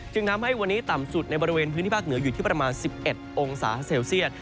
ทำให้วันนี้ต่ำสุดในบริเวณพื้นที่ภาคเหนืออยู่ที่ประมาณ๑๑องศาเซลเซียต